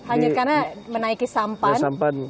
hanyut karena menaiki sampan